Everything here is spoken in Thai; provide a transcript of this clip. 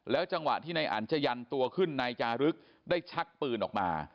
จังหวะที่นายอันจะยันตัวขึ้นนายจารึกได้ชักปืนออกมา